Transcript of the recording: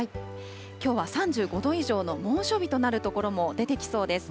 きょうは３５度以上の猛暑日となる所も出てきそうです。